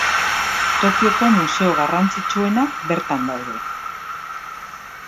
Tokioko museo garrantzitsuenak bertan daude.